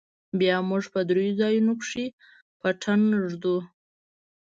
بيا موږ په درېو ځايونو کښې پټن ږدو.